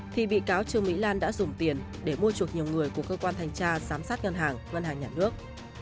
thì bị cáo trương mỹ lan đã dùng tiền để mua chuộc nhiều người của cơ quan thanh tra giám sát ngân hàng ngân hàng nhà nước